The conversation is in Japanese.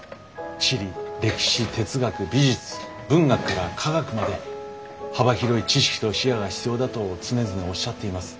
地理歴史哲学美術文学から科学まで幅広い知識と視野が必要だと常々おっしゃっています。